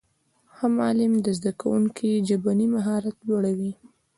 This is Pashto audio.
ښه معلم د زدهکوونکو ژبنی مهارت لوړوي.